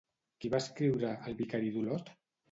Qui va escriure El vicari d'Olot?